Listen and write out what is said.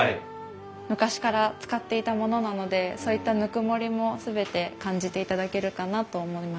昔から使っていたものなのでそういったぬくもりも全て感じていただけるかなと思いました。